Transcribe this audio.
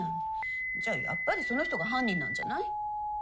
じゃあやっぱりその人が犯人なんじゃない。